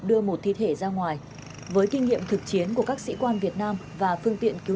đưa một thi thể ra ngoài với kinh nghiệm thực chiến của các sĩ quan việt nam và phương tiện cứu